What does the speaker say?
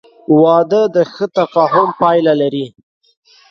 • واده د ښه تفاهم پایله لري.